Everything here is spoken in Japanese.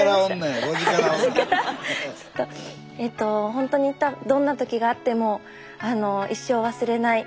ほんとにどんな時があっても一生忘れない。